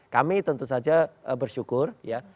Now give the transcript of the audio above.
kami tentu saja bersyukur